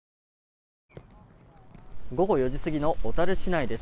午後４時過ぎの小樽市内です。